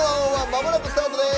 まもなくスタートです。